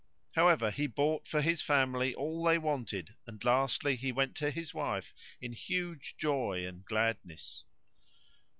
However, he bought for his family all they wanted and lastly he went to his wife in huge joy and gladness.